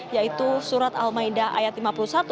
yaitu surat al maida ayat lima puluh satu